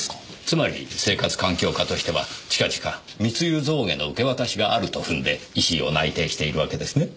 つまり生活環境課としては近々密輸象牙の受け渡しがあると踏んで石井を内偵しているわけですね。